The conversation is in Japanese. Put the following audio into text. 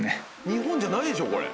日本じゃないでしょこれ。